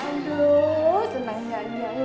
aduh seneng gak nih liat anak anak kecil